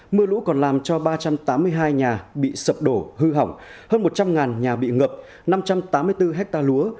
mưa lũ còn làm cho ba trăm tám mươi hai nhà bị sập đổ hư hỏng hơn một trăm linh nhà bị ngập năm trăm tám mươi bốn hectare lúa